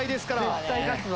絶対勝つぞ。